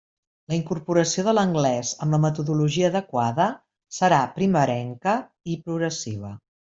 La incorporació de l'anglès, amb la metodologia adequada, serà primerenca i progressiva.